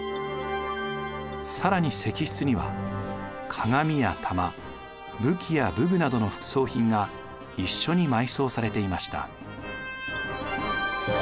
更に石室には鏡や玉武器や武具などの副葬品が一緒に埋葬されていました。